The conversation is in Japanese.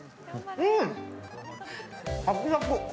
うん、サクサク。